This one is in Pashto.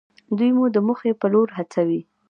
دوی مو د موخې په لور هڅوي.